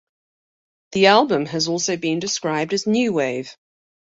The album has also been described as new wave.